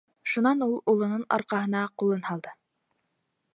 - Шунан ул улының арҡаһына ҡулын һалды.